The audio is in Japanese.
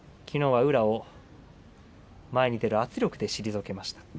きのうは宇良を前に出る圧力で退けました。